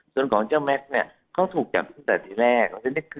ส่วนของเจ้าแม็กซ์เนี่ยเขาถูกจับตั้งแต่ทีแรก